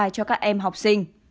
cho các em học sinh